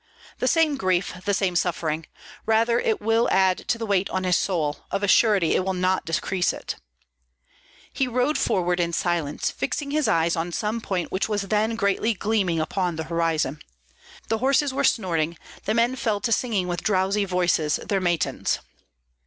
the same grief, the same suffering, rather it will add to the weight on his soul; of a surety it will not decrease it. He rode forward in silence, fixing his eyes on some point which was then greatly gleaming upon the horizon. The horses were snorting; the men fell to singing with drowsy voices their matins.